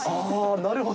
なるほど。